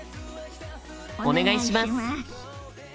お願いします！